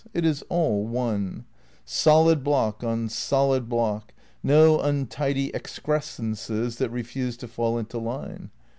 It is all one ; solid block on solid block ; no untidy excres cences that refuse to fall into line.